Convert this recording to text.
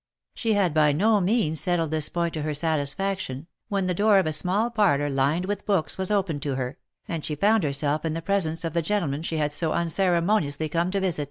She had by no means settled this point to her satisfaction, when the door of a small parlouv, lined with books, was opened to her, and she found herself in the presence of the gentleman she had so unceremo niously come to visit.